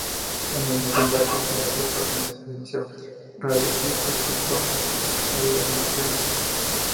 En el desembarco que las tropas inglesas hicieron, Raleigh resultó herido en una pierna.